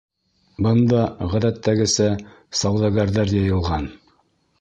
Бында, ғәҙәттәгесә, сауҙагәрҙәр йыйылған.